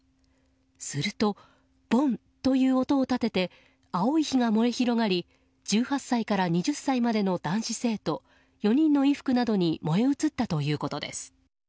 すると、ボンという音を立てて青い火が燃え広がり１８歳から２０歳までの男性生徒４人の衣服などに燃え移ったということです。